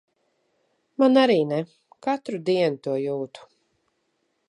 Man arī ne. Katru dienu to jūtu.